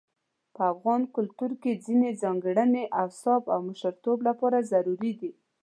په افغان کلتور کې ځينې ځانګړي اوصاف د مشرتوب لپاره ضروري دي.